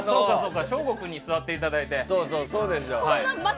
昇吾くんに座っていただいて。